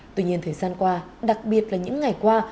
tuy nhiên thời gian qua đặc biệt là những ngày qua